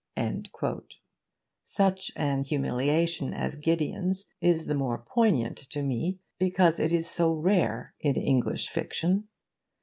'" Such an humiliation as Gideon's is the more poignant to me because it is so rare in English fiction.